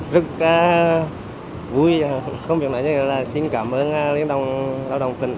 rất vui không việc nói như thế là xin cảm ơn liên đồng lao động tỉnh